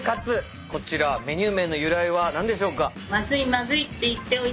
こちらメニュー名の由来は何でしょうか？